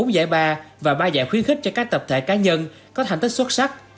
bốn giải ba và ba giải khuyến khích cho các tập thể cá nhân có thành tích xuất sắc